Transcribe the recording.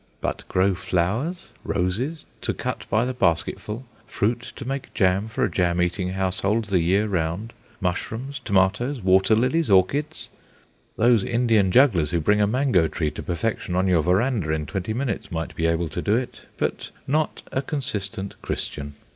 But grow flowers roses to cut by the basketful, fruit to make jam for a jam eating household the year round, mushrooms, tomatoes, water lilies, orchids; those Indian jugglers who bring a mango tree to perfection on your verandah in twenty minutes might be able to do it, but not a consistent Christian.